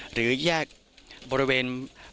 หรือแยกบริเวณ